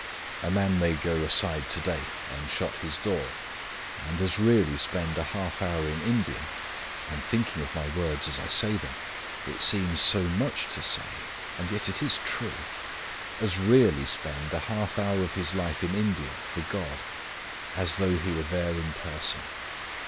A man may go aside to day, and shut his door, and as really spend a half hour in India I am thinking of my words as I say them, it seems so much to say, and yet it is true as really spend a half hour of his life in India for God as though he were there in person.